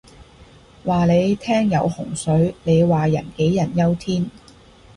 話你聽有洪水，你話人杞人憂天